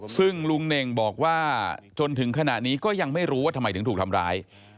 ซึ่งลุงเน่งบอกว่าจนถึงขณะนี้ก็ยังไม่รู้ว่าทำไมถึงถูกทำร้าย